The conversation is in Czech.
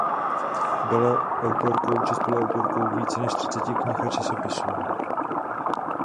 Byla autorkou či spoluautorkou více než třiceti knih a časopisů.